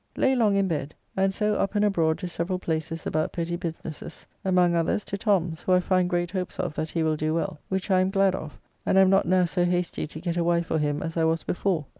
Lay long in bed, and so up and abroad to several places about petty businesses. Among others to Tom's, who I find great hopes of that he will do well, which I am glad of, and am not now so hasty to get a wife for him as I was before.